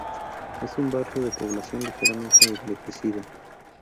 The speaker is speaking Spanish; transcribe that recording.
Es un barrio de población ligeramente envejecida.